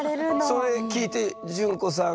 それ聞いて淳子さんは？